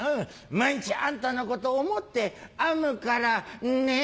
「毎日あんたのことを思って編むからね」。